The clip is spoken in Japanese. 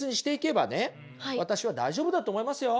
私は大丈夫だと思いますよ。